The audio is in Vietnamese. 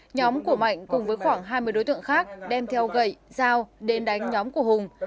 nhóm của mạnh cùng với khoảng hai mươi đối tượng khác đem theo gậy dao đến đánh nhóm của hùng